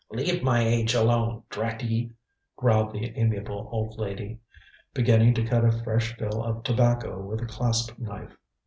"Leave my age alone, drat ye!" growled the amiable old lady, beginning to cut a fresh fill of tobacco with a clasp knife.